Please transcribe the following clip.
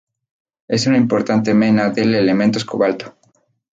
Es una importante mena del elementos cobalto.